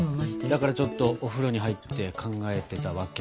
だからちょっとお風呂に入って考えてたわけ。